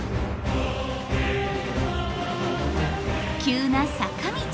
急な坂道。